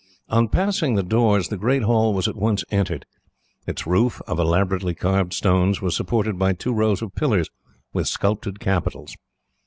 On passing the doors, the great hall was at once entered. Its roof, of elaborately carved stones, was supported by two rows of pillars with sculptured capitals.